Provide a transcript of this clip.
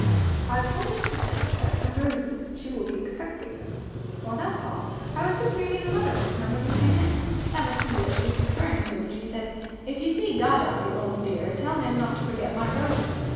"I promised to send her some roses. She will be expecting them." "That's odd. I was just reading a letter from her when you came in. That must be what she's referring to when she says, 'If you see dadda, the old dear, tell him not to forget my roses.'